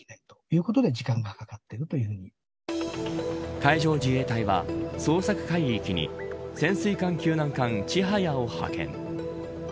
海上自衛隊は捜索海域に潜水艦救難艦ちはやを派遣。